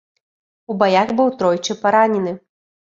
У баях быў тройчы паранены.